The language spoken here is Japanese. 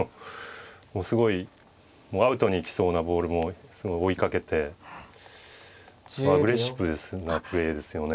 すごいアウトに行きそうなボールも追いかけてアグレッシブなプレーですよね。